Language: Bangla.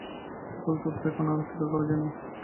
এ-সকল তথ্য এখন আর অস্বীকার করা যায় না।